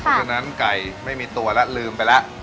เพราะฉะนั้นไก่ไม่มีตัวแล้วลืมไปแล้ว